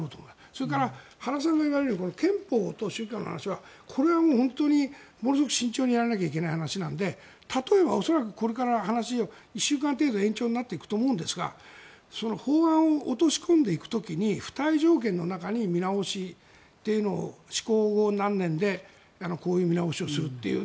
それから原さんが言われる憲法と宗教の話はこれはもう本当にものすごく慎重にやらなきゃいけない話なので例えば恐らくこれから話が１週間程度延長になっていくと思うんですが法案を落とし込んでいく時に付帯条件の中に見直しというのを施行後何年でこういう見直しをするという。